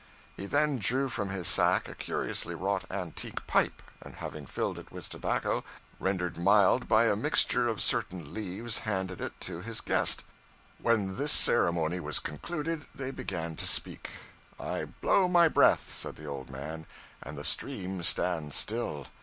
He then drew from his sack a curiously wrought antique pipe, and having filled it with tobacco, rendered mild by a mixture of certain leaves, handed it to his guest. When this ceremony was concluded they began to speak. 'I blow my breath,' said the old man, 'and the stream stands still.